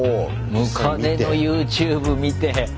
ムカデのＹｏｕＴｕｂｅ見て。